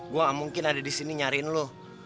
gue gak mungkin ada disini nyariin lo